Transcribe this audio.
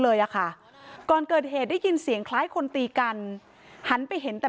เลยอะค่ะก่อนเกิดเหตุได้ยินเสียงคล้ายคนตีกันหันไปเห็นแต่